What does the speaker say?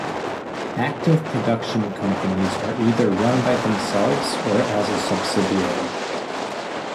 Active production companies are either run by themselves or as a subsidiary.